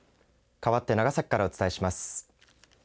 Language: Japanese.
かわって長崎からお伝えします。